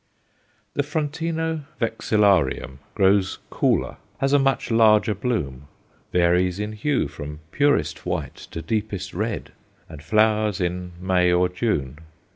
The Frontino vexillarium grows "cooler," has a much larger bloom, varies in hue from purest white to deepest red, and flowers in May or June.